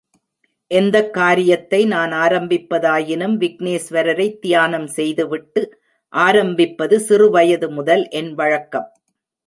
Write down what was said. எந்தக் காரியத்தை நான் ஆரம்பிப்பதாயினும் விக்னேஸ்வரரைத் தியானம் செய்துவிட்டு ஆரம்பிப்பது சிறு வயது முதல் என் வழக்கம்.